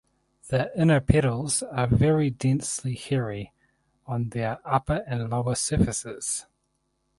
The inner petals are very densely hairy on their upper and lower surfaces.